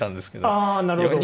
あなるほど。